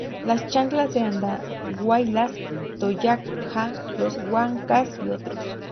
Los Chancas de Andahuaylas, Tayacaja, los Huancas y otros.